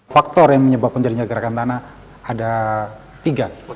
faktor yang menyebabkan kejadian pergerakan tanah ada tiga